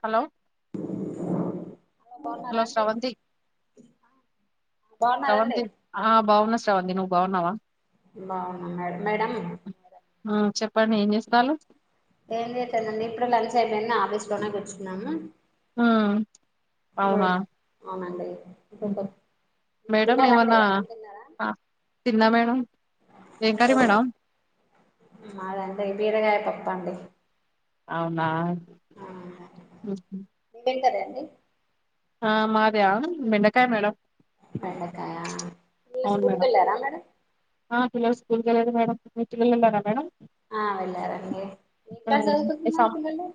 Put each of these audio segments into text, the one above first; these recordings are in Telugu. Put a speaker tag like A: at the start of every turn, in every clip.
A: హలో
B: బాగున్నారా
A: హలో
B: అండి
A: శ్రవంతి
B: బాగున్నారండి
A: శ్రవంతి ఆ బావున్నా వంది నువ్వు బాగున్నావా
B: బావున్నా మేడం మేడం
A: ప్పండి ఏం చేస్తాల్లు
B: ఏం చేస్తానండి ఇప్పుడు లంచ్ అయిపోయింది ఆఫీస్ లోనే కూర్చున్నాము
A: ఆ
B: [inaudible] అవునండి ఇప్పుడు
A: ఉమ్. మేడం
B: తిన్నారా అండి
A: ఏమన్నా
B: అన్నం తిన్నారా
A: ఆ, తిన్నా మేడం ఏం కర్రీ మేడం
B: మాదా అండి బీరకాయ పప్పండి
A: అవునా ఉమ్.
B: ఏం కర్రీ [unintelligible]
A: ఆ మాది ఆ బెండకాయ మేడం
B: బెండకాయ పిల్లలు
A: అవును
B: స్కూల్
A: మేడం
B: కెళ్ళారా మేడం
A: ఆ పిల్లలు స్కూల్ కెళ్ళారు మేడం మీ పిల్లలు వెళ్లారా మేడం
B: ఆ వెళ్లారండి ఏ క్లాస్
A: ఉమ్, ఈ
B: చదువుకుంటున్నారు
A: సం-
B: పిల్లలు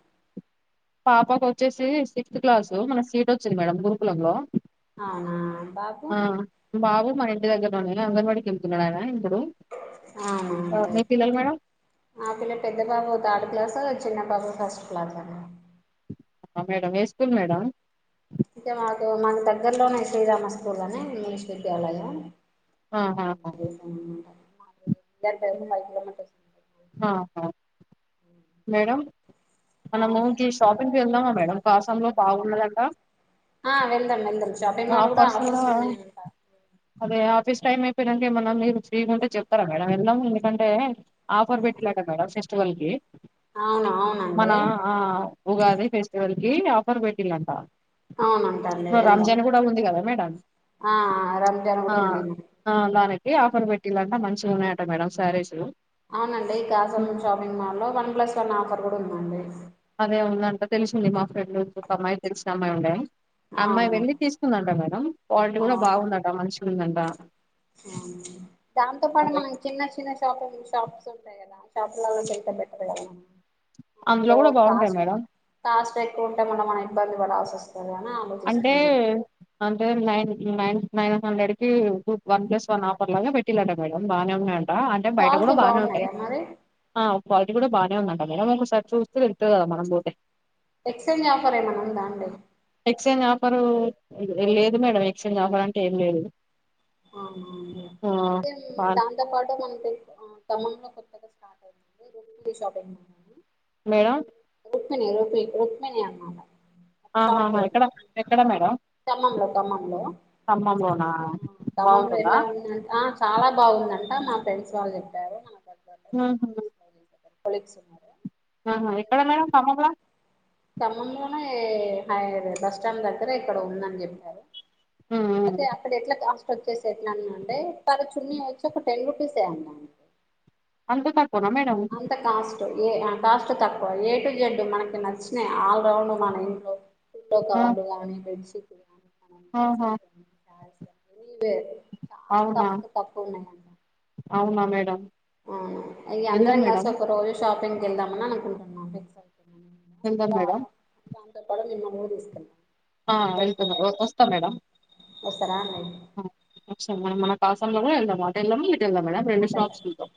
A: పాపకు వచ్చేసి సిక్స్త్ క్లాస్ మన సీట్ వచ్చింది మేడమ్ గురుకులం లో
B: అవునా బాబు
A: మా ఇంటి దగర లోని అంగన్వాడికెళ్ [unintelligible]
B: ఆ
A: మేడం
B: [inaudible] మా పిల్లలు పెద్ద బాబు థర్డ్ క్లాస్ చిన్న బాబు ఫస్ట్ క్లాస్ అండి
A: మేడం ఏం స్కూల్ మేడం
B: ఇంకా మాకు మాకు దగ్గరలోనే శ్రీరామ స్కూల్ అని ఇంగ్లీష్ విద్యాలయం [inaudible] దగ్గర ఒక ఫైవ్ కిలోమీటర్స్
A: ఆ [unintelligible] మేడం మనము కి షాపింగ్కి వెళ్దామా మేడం ఫ్యాషన్ లో బాగున్నాయంటా
B: ఆ వెళ్దాం వెళ్దాం షాపింగ్ మాల్ కూడా ఆఫర్స్ ఉన్నాయంట
A: అదే ఆఫీస్ టైమ్ అయిపోయిందంటే ఏమన్నా మీరు ఫ్రీగా ఉంటే చెప్తారా మేడం వెళ్దాం ఎందుకంటే ఆఫర్ పెట్లే కదా మేడం ఫెస్ తోనికి
B: అవును
A: మన
B: అవునండి
A: ఆ ఉగాది ఫెస్టివల్ కీ ఆఫర్ పెట్టిందంట
B: అవునంటా అండి యెల్దాం
A: ఇగ అవే మేడమ్స్
B: ఆ రంజాన్ కూడ ఉంది
A: ఏ ఆఫర్ పెట్టిల్లంట మంచిగా ఉన్నాయట మేడమ్ శారీసు
B: అవునండి కాజమం షాపింగ్ మాల్లో వన్ ప్లస్ వన్ ఆఫర్ కూడ ఉందండి
A: అదే ఉందంట తెలిసింది మా ఫ్రెండ్లు అమ్మాయి కి తెలిసిన అమ్మాయి ఉండే అమ్మాయి
B: అవును
A: వెళ్ళి తీసుకుందంట మేడం క్వాలిటీ కూడ బాగుందట మంచిగ ఉందంట బా
B: దాంతో పాటు మనం చిన్న చిన్న షాపింగ్ షాప్స్ ఉంటాయి కదా షాపింగ్ మాల్ లో కంటే బెటర్ ఏ కదా
A: అందులో కూడ బావుంటాయి మేడం
B: కొంటె మన మనం ఇబ్బంది పడాల్సిస్తుంది
A: అంటే అంటే నే నైన్ నైన్ హండ్రెడ్ కి వన్ ప్లస్ వన్ ఆఫర్ లాగ పెట్టిల్లంట మేడం బానే ఉన్నాయం ఆ అంటే బయట కూడ
B: క్వాలిటీ
A: బానే ఉంటాయి
B: బాగున్నాయా మరి
A: ఆ క్వాలిటీ కూడ బానే [unintelligible] ఉందంట మేడం ఒకసారి చూస్తే తెలుస్తది గదా మనం పోతే
B: ఎక్స్చేంజ్ ఆఫర్ ఏమన్న ఉందా అండి
A: ఎక్స్చేంజ్ ఆఫరూ లేదు మేడం ఎక్స్చేంజ్ ఆఫర్ అంటే ఏం లేదు
B: ఆహా
A: ఆ
B: అదే అయితే
A: బా
B: దాంతో పాటు మన అంటే ఆ ఖమ్మంలో కొత్తగా స్టార్ట్ అయింది C M G shopping mall
A: madam
B: ఆయన ఎరోబిక్ స్పోర్ట్స్ మెనే అన్నమాట
A: ఆహ్
B: షాప్
A: హహ
B: పేరు
A: ఎక్కడ ఎక్కడ మేడం
B: ఖమ్మంలో ఖమ్మంలో
A: ఖమ్మంలోనా
B: ఖమ్మంలో
A: బాగుంటుందా
B: ఎలా ఉంది అంటే ఆ చాలా బాగుందంట మా ఫ్రెండ్స్ వాళ్ళు చెప్పారు మనకు అది
A: ఊహూ
B: కొలీగ్స్ ఉన్నారా
A: ఆహా ఎక్కడ మేడం ఖమ్మం లొ
B: ఖమ్మంలోనే హైడ్ బస్ స్టాండ్ దగ్గరే ఎక్కడో ఉందని చెప్పారు
A: ఉ
B: అదే
A: ఉ
B: అక్కడ ఎట్ల వచ్చే సిగ్నల్ నుండే తన చున్ని వచ్చిఒక టెన్ రూప్ ఎసేయ్ అన్నాను
A: అంత తక్ పోన మేడం
B: ఏ ఆ కాస్ట్ తక్కువ ఏ టు జడ్ మనకి నచ్చినాయి ఆల్రౌండ్ మన ఇంట్లోకి ఇంకోక
A: ఆ,
B: వందగాని పెంచి మన
A: ఆహా
B: డ్రెస్సెస్ కాని సారిస్ కాని అన్ని ఇవే చాలా
A: అవునా
B: కాష్ట్ తక్కువ ఉన్నాయంట
A: అవునా మేడం
B: అవునా ఇగ
A: వెళ్దాం
B: అందరం
A: మేడం
B: కలిసి ఒక రోజు షాపింగ్ వెళ్దామని అకుంటున్నాం ఫిక్స్ అయి
A: వెళ్దాం
B: అవున
A: మేడం
B: ఆ అంత పడనిన మూడు ఇస్తున్నారు
A: ఆ వెళ్తున్నాం వస్తా మేడం
B: వస్తారా అండి
A: సో మనం మనకి ఆసాంలోనే వెల్దాం ఆటోలో వెళ్దామా లేక నడిచి ఎళ్దామ్ మేడమ్ రేండు షాప్స్
B: అటెల్దాం
A: చూద్దాం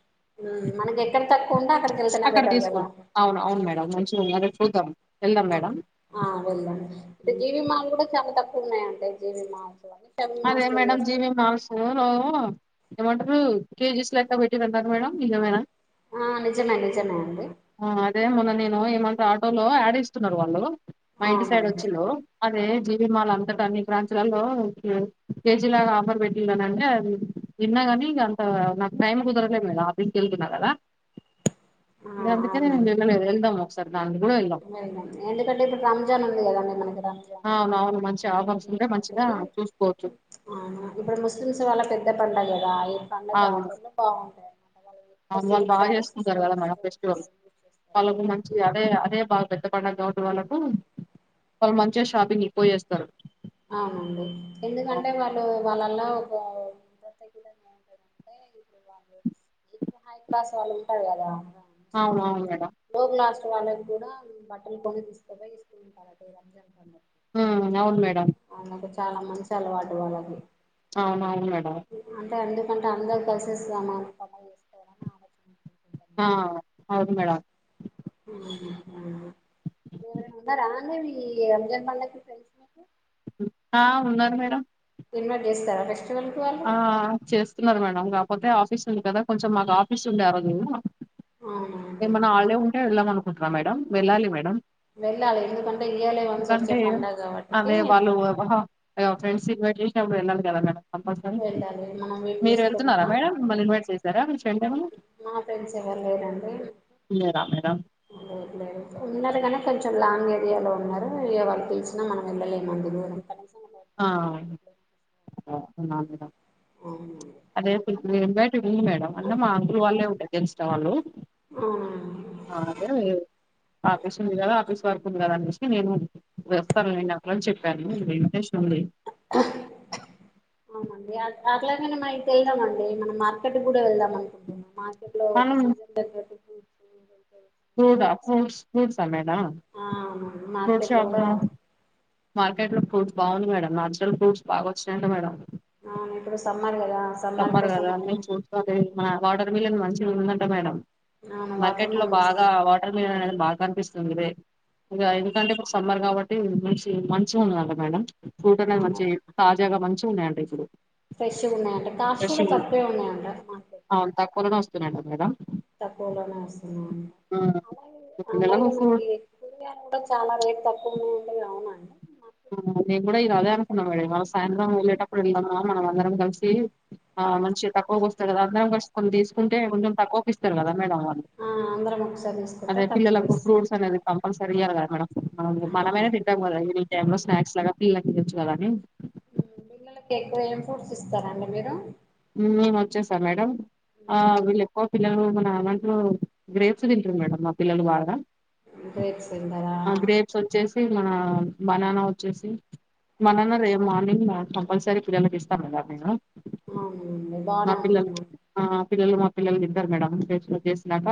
B: మనకి ఎక్కడ తక్కువ ఉంటే అక్కడికి వెళ్తేనే
A: అక్కడ
B: బెటర్ కదా
A: తీసుకుని అవును అవును మేడం మంచి ఉంది అక్కడ చూద్దాం ఎళ్దాం మేడమ్
B: ఆ వెళ్దాం అంటే జీవి మాల్ కూడా చాలా తక్కువ ఉన్నాయ్ అంట జీవి మాల్స్ అని షాపింగ్
A: అదే
B: మాల్స్ లో
A: మేడం
B: చేస్తారు
A: జీవి మాల్ లో టొమాటలు కేజీస్ లెక్క పెట్టిరంటన్లు మేడం నిజమేనా
B: ఆ నిజమే నిజమే అండి
A: ఆ అదే మొన్న నేను ఏమంటర్ ఆటోలో యాడ్ ఇస్తున్నారు వాళ్ళు మా ఇంటి సైడ్
B: అవునవును
A: వచ్చింద్రు అదే జీవి మాల్ అనుక్ అంతటి అన్ని బ్రాంచి లల్లో కేజీలాగా ఆఫర్ పెట్టినృ నంటే అది విన్నా కానీ ఇక అంత నాకు టైం కుదరల మేడమ్ ఆఫీస్కి వెళ్తున్నా కదా
B: ఆ
A: మీరందుకనే
B: అవునండి
A: వెళ్లలేదా వెళ్దాం ఒకసారి దానికి కూడా వెళ్దాం
B: ఎందుకంటే ఇప్పుడు రంజాన్ ఉంది కదండి మనకి రంజాన్
A: అవునవును మంచి ఆఫర్స్
B: ఉంది
A: ఉంటే
B: కాబటి
A: మంచిగా చూసుకోవచ్చు
B: ఇప్పుడు ముస్లిమ్స్ వాళ్ళ పెద్ద పల్లా కదా పండక్కి
A: అవును
B: ఆపోర్లు బావుంటాయి
A: వాళ్ళు బాగా చేసుకుంటారు కదా మేడం
B: స్టోన్స్
A: ఫెస్టివల్
B: వాళ్ళు యూజ్ చేస్తారు
A: వాళ్ళకు
B: కదా
A: మంచి అదే అదే బాగా పెద్ద పండుగ కావటి వాళ్ళకు వాళ్ళు మంచిగాషాపింగ్ కి పోయి వస్తారు చేేస్తారు
B: అవునండి ఎందుకంటే వాళ్ళు వాళ్ళలా మద్ద తగ్గ ఏంటందంటే ఇప్పుడు వాళ్ళు ఎక్కువ హై క్లాస్ వాళ్ళు ఉంటారు కదా.
A: అవును అవును మేడం
B: లో క్లాస్ వాళ్ళకి కూడా బట్టలు పొంగ తీస్కపోయ్ ఎస్కుంటున్నారు అంట
A: ఆ అవును మేడం
B: చాలా మంచి అలవాటు వాళ్ళకి
A: అవున వున్ మేడం
B: అంటే ఎందుకంటే అందరూ కలిసి ఇస్తామ
A: ఆ అవును మేడం
B: ఇవర ఉన్నా రానే రంజాన్ పళ్లాకి ఫ్రె
A: ఆ ఉన్నారు మేడం
B: ఇన్వైట్ చేస్తారా ఫస్ట్
A: ఆ చేస్తున్నరు మేడం పోతే ఆఫీస్ ఉంది కదా కొంచెం మాకు ఆఫీస్ ఉండే ఆరోజు.
B: అవునా
A: ఏమన్నా ఆల్డే ఉంటే ఎల్దం అనుక్ ఒక మేడం వెళ్లాలి మేడమ్
B: వెళ్ళాలి ఎందుకంటే ఇయర్లీ వన్స్ వచ్చే
A: ఎందుకంటే
B: పండగ కాబట్టికి
A: అదే వాళ్ళు ఫ్రెంట్ సీట్ పెట్టి అప్పుడు ఎల్లాలి కదా మేడం కంపల్సరీ
B: వెళ్ళాలి మనం మనం ఏం
A: మీరు
B: చేస్తం
A: వెళ్తున్నారా
B: ఉన్నా
A: మేడం మిమ్మల్ని ఇన్వైట్ చేశారా మీ ఫ్రెండ్ ఏమన్నా
B: మా ఫ్రెండ్స్ ఎవరు లేరుండి.
A: లేరా మేడం
B: లేర్ లేర్ ఉన్నరు గానీ కొంచెం లాంగ్ ఏరియాలో ఉన్నారు ఇ వాళ్ళు తెలిసినా మనం వెళ్ళలేము అండి.
A: ఆ అే
B: అవునండి
A: అదే ఇ బైట ఉంది మేడం అంటే మా అంకూల్ వాల్లే ఉండె. తెస్ట వాళ్ళు
B: అవునండి
A: ఆదే లేవ్. ఆపిస్ ఉంది గదా‌! ఆపిస్ వర్క్ ఉంది గదా అని చూస్తె మేము, నేను వస్తాం లేన్ ని చెప్పాను. ఇంటెస్ట్
B: అవునండి ఆ చాకలాయన మా ఇంటేన అవునండి, మనం మార్కెట్ గుడా వెళ్దాం అనుకుంటున్న మా లో, ఒక సీజన్ దగ్గరిది
A: తూడా ఫ్రూట్స్ ఫ్రూట్స్ అమెదా
B: ఆ అవునండి మార్కెట్ లో కూడా
A: మార్కెట్ లో ఫ్రూట్స్ బాగుంది మేడంమ్. నాచురల్ ఫ్రూట్స్ బాగొచ్చినయంట మేడం.
B: ఆ ఇప్పుడు సమ్మర్ గదా సమ్మర్ కోసమూ
A: ఆ వాటర్ మిలన్, మంచిగుందంట మేడం.
B: అవును వాటర్
A: మార్కెట్ లో
B: మిలన్స్
A: బాగా వాటర్ మిలన్ అనేద్ బాగా కనిపిస్తుందిలే ఇది, ఎందుకంటే ఒక సమ్మర్ కబ్బటి ఇది మంచిగ ఉందట మేడమ్. ఫ్రూట్ అనేది మంచి కాస్ట్ జగ మంచిగున్నయంట. ఇప్పుడు
B: ఫ్రెష్ గున్నయట. కాస్ట్ గుడ
A: ఫ్రెష్
B: తక్కువే ఉన్నయట.
A: Madam madam.
B: తక్కువలోనే వస్తున్నాయండి.
A: ఆ,
B: అలాగే!
A: ఇప్పుడు పిల్లలకు
B: అలాగే
A: ఫ్రూ
B: మనకి కురాగయాలు కూడా చాలా రేట్ తక్కువన్నాంటే అవునండి.
A: మ్మ్ నేను గుడ ఇది అదే అనుకున్న మేడం. ఇవాల సాయంత్రం వెళ్ళేటప్పుడు, వెళ్దామా మనం అందరం కలిసీ, ఆ మంచిగా తక్కువకి వస్తయి గద అందరం కలిసి కొన్ని తీసుకుంటే, కొంచెం తక్కువకు ఇస్తరు గద.
B: ఆ అందరం ఒకసారి తీసుకుంటే
A: అదే
B: తక్కువ
A: పిల్లలకు
B: ఇస్తారు
A: ఫ్రూట్స్ అనేవి కంపల్సరి. తియ్యరు గద మేడం. మనం మనమే
B: ఆహా
A: తిట్టాం కదా అండి టైమ్ లో స్నాక్ లాగా పెట్టె తిన్నచు కథ అని
B: పిల్లకు ఎక్కువగ ఏం ఫ్రూట్స్ ఇస్తరండి మీరు?
A: మేము వచ్చేశా మేడం. ఆ వెళ్ళు ఎక్కువ పిల్లలు మన అవంట్లో గ్రేప్స్ తింటుండ్రు మేడమ్. మా పిల్లలు బాగ.
B: గ్రేప్స్ తింటారా
A: ఆ గ్రేప్స్ వచ్చేసి మా మన బనానా వచ్చేసి, బనానా రేపు మార్నింగ్ కంపల్సరీ పిల్లలకు ఇస్తాం మేడం నేనూ.
B: అవునండి
A: మా
B: బానే
A: పిల్లలు.
B: ఉంటుంది
A: ఆ పిల్లలు మా పిల్లలు తింటారు మేడం. చేసి చేసినాక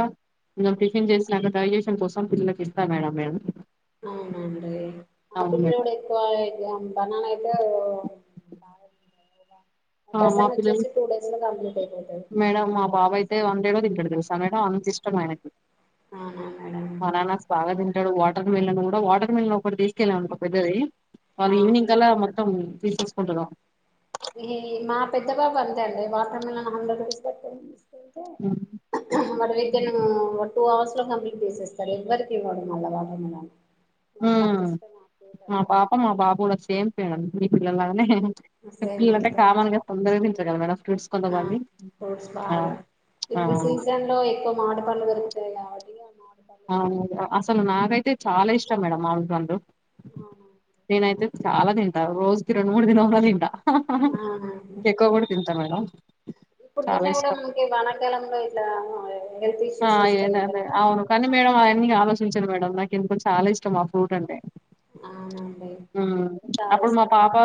A: పిల్లలు టిఫిన్ చేసినాక డైజేషన్ కోసం పిల్లకు ఇస్తా మేడం. నేను
B: అవునండి ఆ
A: మేడం
B: పిల్లోడు ఎక్కువ ఎక్కువతే బనాలయితే
A: ఆ మా
B: డజన్
A: పిల్లలు
B: వచ్చేసి టూ డేస్ లో కంప్లీట్ అయిపోతాది
A: తే వన్ డే లో తింటాడు తెలుసా మేడమ్ అంత ఇష్టం ఆయనకి
B: అవునా మేడం
A: బనానా స్వాగతి అంటడు వాటర్ మెలోన్ కూడా వాటర్ మెలోన్ ఒకటి తీసుకెళ్ళ అనుకో పెద్దది అది
B: ఆ
A: ఈవినింగ్ కల్లా మోత త్తం తీసేసుకుంటున్నాం
B: ఈ మా పెద్ద బాబు అంతే అండి వాటర్ మెలోన్ హండ్రెడ్ రూపీస్ పెట్టడి అయితే యను టూ అవర్స్ కంప్లీట్ చేసేస్తారు ఎవ్వరిక ఇవ్వడం మళ్ళ వాటర్ మెలోన్
A: హ్మ్ మా పాప మా బాబు కూడా సేమ్ పే మీ పిల్లలనే
B: సేమ్
A: పిల్లలటే
B: అంతే
A: కామన్గా తొందరగా తిన్ సరేనా మేడం ఫ్రూట్స్
B: ఆ
A: కొంతమంది
B: ఫ్రూట్స్
A: ఆ
B: బాగా ఇప్పుడు
A: ఆ
B: సీజన్ లో ఎక్కువ మామిడి పండ్లు దొరుకుతాయి కాబట్టి ఆ మామిడి పండ్లు
A: అ
B: తింటాం
A: అసలు నాకయితే చాలా ఇష్టం మేడమ్ మామిడిపండు నేనైతే చాలా తింటా రోజుకి రెండు మూడు తిన్నమన్న తింటా
B: అవునండి
A: చెక్క కూడా తింతారు మేడమ్
B: ఇప్పుడు తిన్న కూడా మనకి వానాకాలంలో ఇట్లా హెల్త్
A: ఆ
B: ఇష్యూస్
A: ఏద
B: వస్తాయంట
A: అదే
B: కదా
A: అవును
B: మనకు
A: కానీ మేడం అవఅని కానోస్తా చూసాను మేడం నాకు ఎందుకో చాల ఇష్టం ఆ ఫ్రూట్ అంటే
B: అవునండి
A: హ్మ్
B: చాలా
A: అప్పుడు మా
B: ఇష్టం
A: పాపా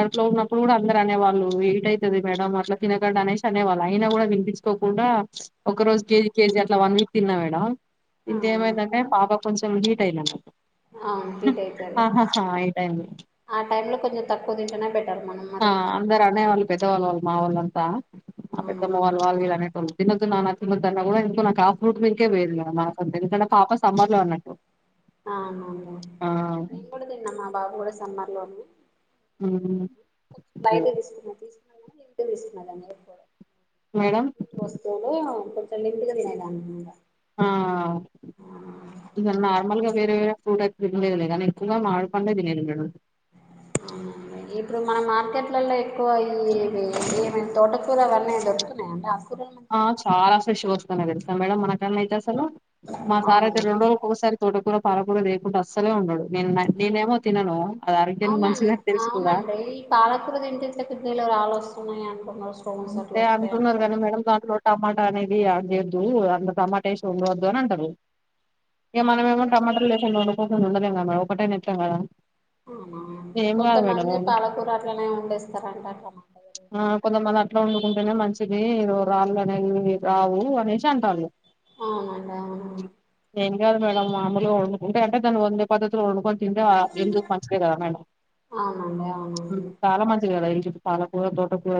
A: అట్ లో ఉన్నప్పుడు కూడా అందరు అనేవాళ్ళు ఏటతుంది మేడం అట్లా తినకడ అనేసి అనేవాళ్ళు అయినా కూడా వినిపించుకోకుండా ఒక రోజు కేజీ వన్ వీక్ తిన్నా మేడమ్
B: అవును
A: ఇంకేమైంది అంటే పాప కొంచమ్ హీట్ అయ్యినాము
B: అవును హీట్ అయితాది
A: హీట్ అయింది
B: ఆ టైంలో కొంచెం తక్కువ తింటేనే బెటర్ మనం
A: ఆ
B: మరి
A: అందరు అనేవాళ్ళు పెద్దవాళ్ళు వాళ్ మా ఊళ్ళంతా ఆ
B: అవునండి
A: పెద్దమ్మవాళ్లు వాళ్ళు వీళ్ళు అనేటోళ్ళు తినొద్దు నాన్న తినొద్దన్నా వోయిండు ఇంగ నాకు ఆ ఫ్రూట్ మీదికే వోయింది మా సొంతిళ్లు ఎందుకంట పాప సమ్మర్ లో అన్నట్టు
B: ఆహ అవునులే
A: ఆ
B: నేను కూడా తిన్నా మా బాబు కూడా సమ్మర్ లోనే
A: మ్మ్
B: బయటే
A: మేడం
B: తీసుకున్నా పీస్ [unintelligible]
A: మేడం
B: నీరు పోస్తేనే [unintelligible] సైలెంట్ గా తినేదాన్నింగా
A: ఆహ్ ఇంగ నార్మల్ గా వేరే వేరే ఫ్రూట్ ఐస్ క్రీమ్స్ తినలేదులే గాని ఎక్కువ మామిడి పండే తినేది మేడం
B: ఆ ఇప్పుడు మన మార్కెట్లల్లో ఎక్కువ ఇ ఇవి ఈ ఏమి తోట కూర ఇవన్నీ దొరుకుతున్నాయా అండి ఆకు కూరలు మంచిగ
A: ప్పుడున్నా తెలుసా మేడం మన కాడనైతే మా సార్ అయితే
B: అవునండి
A: రెండు రోజు ఒకసారి తోట కూర పాలకూర తేకుండా అస్సలే ఉండడు నేను నేనేమో తినను అది ఆరోగ్యానికి
B: అవునండి
A: మంచిదని తెలిసి కూడా
B: అవునండి ఈ పాలకూర తింటే కిడ్నీలో రాళ్లు వస్తున్నాయి ఉన్నాయని
A: అంతే అంటున్నారు కనీ మేడం ద టమాటా అనేది యాడ్ చేయొద్దు టమాటా వేసి వండదు అని అంటారు ఇక మనం ఏమో
B: మామూలుగా
A: టమాటలు లేకుండా వాడుకోలేము వండలేం కదా మేడం ఒకటేనా వేస్తాం కదా
B: అవునా
A: ఏం కాదు మేడం
B: కొంతమంది పాలకూర అట్లనే వండే స్తారంట అ టమాట
A: అనుకుంటేనే మంచిది రాళ్ళు అనేవి రావు అనేసి అంటారుళ్ళ
B: అవునంట అవునా
A: ఏం కాదు మేడమ్ మామలుగా వండుకుంటే అంటే దానీవండే పద్దతిలో వండుకుంటే తింటే హేల్తాకు మంచిదే కదా మేడం
B: అవునండి అవునండి
A: చాలా మంచిది కదా పాలకూర, తోటకూర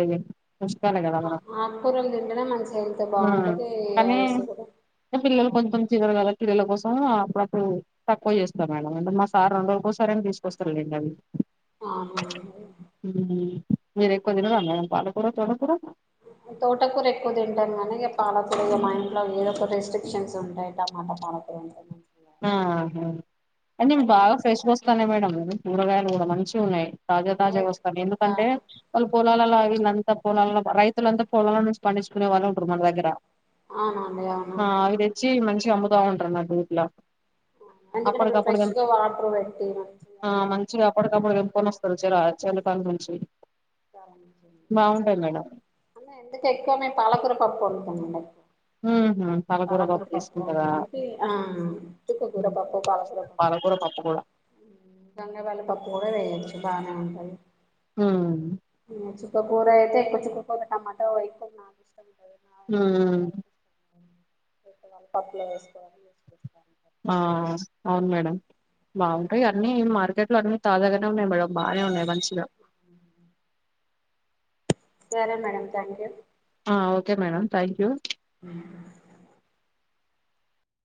A: పోషకాలే కదా మనం
B: ఆకుకూరలు తింటేనే మంచి గా హెల్త్
A: ఉమ్,
B: బాగుంటది ఏ
A: కానీ
B: యస్ కూడా బ
A: పిల్లలు కొంచెం చిదరు కదా పిల్లల కోసం అప్పుడప్పుడు తక్కువ చేస్తాం మేడం అంటే మా సార్ రెండురోజుల కోసారే తీసుకొస్తాండి అవి
B: ఆహ
A: మీనరు ఎక్కువ తిన్నారా మేడం పాలకూర తోటకూర
B: తోటకూర ఎక్కువ తింటాం కానీ పాలకూర మా ఇంట్లో ఏదో ఒక రెస్ట్రిక్షన్స్ ఉంటాయి టమాటా మామిడికాయ ఉంటాయి
A: ఆహా అనీ బాగా ఫ్రెష్ గా వస్తా నే మేడం కూరగాయలు కూడా మంచి ఉన్నాయి తాజా తాజా వస్తాను ఎందుకంటే వాళ్ళు పొలాల అంతా. అంత పొలాలను రైతులంత పొలాలనుంచి పండించునే వాళ్ళే ఉండే మన దగ్గర.
B: అవునండి అవును
A: ఆహా అవి తెచ్చి మంచి. అమ్ముతా ఉంటారు ఊర్లా.
B: ఎందుకంటే ఇప్పుడు
A: అప్పటికప్పుడు
B: ఫ్రెష్గా వాటర్ పెట్టి మంచిగా
A: ఆ మంచిగా అప్పటికప్పుడు
B: మందులు
A: తెంపుకొని వస్తారు చర చెలకాల నుంచి.
B: అ
A: బాగుంటాయి మేడం
B: ఎందుకు ఎక్కువ పాలకూర పప్పు వం. వండి.
A: హ్మ్.
B: పాలకూర పప్పు అలాంటి ఆ చుక్కకూర
A: హ్మ్.
B: పప్పు పాలకూర పప్పు
A: పాలకూర కూడా
B: గంగవాలి పప్పు కూడా వేయొచ్చు బాగానే ఉంటుంది. ఆ.
A: హు
B: చుక్కకూర అయితే చుక్క కూర టమాటో అయితే నాకు ఇష్టం. ఉంటుంది
A: అహ
B: పప్పులు వేసుకోవాలి. [inaudible]
A: ఆహా అవును మేడంమ్ బాగుంటాయి అన్నీ మార్కెట్. అన్ని తాజా గానే ఉన్నాయి మేడంమ్. బానే ఉన్నాయి మంచిగా
B: సరే మేడం థ్యాంక్ యూ
A: ఆ ఓకే మేడం థ్యాంక్యూ